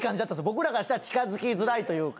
僕らからしたら近づきづらいというか。